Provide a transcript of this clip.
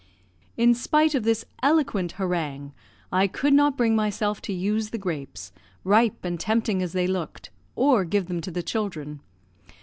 In spite of this eloquent harangue, I could not bring myself to use the grapes, ripe and tempting as they looked, or give them to the children.